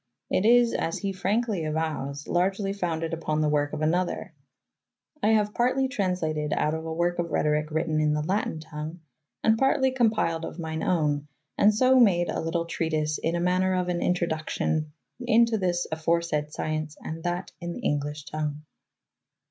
It is, as he frankly avows, largely founded upon the work of another. "I haue partely traunslatyd out of a _ werke of Rhetoryke wrytten in the lattyn tongue, and partely compyled of m3'ne owne, and so made a lytle treatise in maner of an introduccyon into this aforesaid scyence and that in the englysshe tongue."'